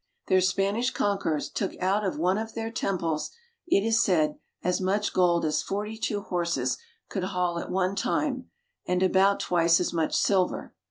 Their Spanish conquerors took out of one of their temples, it is said, as much gold as forty two horses could haul at one time, and about twice as much silver.